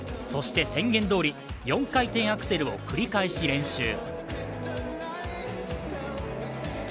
そして宣言どおり４回転アクセルを繰り返し練習。